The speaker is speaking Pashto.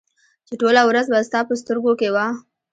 چې ټوله ورځ به ستا په سترګو کې وه